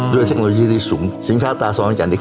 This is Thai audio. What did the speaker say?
ด้วยเทคโนโลยีที่สูงสินค้าสระสำหรับขอนแก่ละนี้